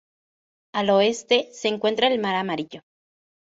Al oeste se encuentra el mar Amarillo.